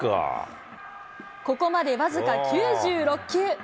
ここまで僅か９６球。